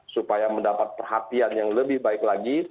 supaya mendapat perhatian yang lebih baik lagi